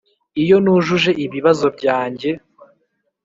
iyo nujuje ibibazo byanjye,